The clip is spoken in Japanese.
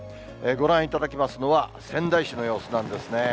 ご覧いただきますのは、仙台市の様子なんですね。